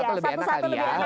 satu satu lebih enak kali ya